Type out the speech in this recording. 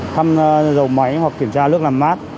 thăm dầu máy hoặc kiểm tra nước làm mát